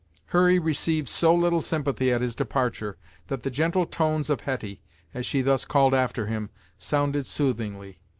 Hurry received so little sympathy at his departure that the gentle tones of Hetty, as she thus called after him, sounded soothingly.